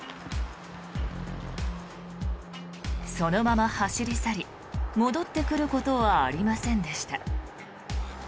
そのまま走り去り戻ってくることはありませんでした。